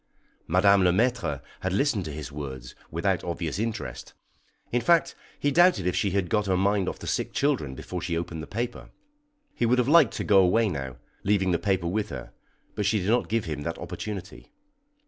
Madame Le Maître had listened to his words without obvious interest; in fact, he doubted if she had got her mind off the sick children before she opened the paper. He would have liked to go away now, leaving the paper with her, but she did not give him that opportunity.